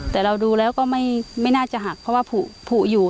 แต่เราดูแล้วก็ไม่น่าจะหักเพราะว่าผูกอยู่